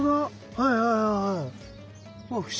はいはいはいはい。